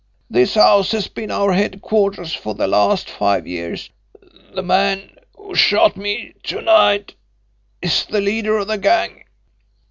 This house has been our headquarters for the last five years. The man who shot me to night is the leader of the gang.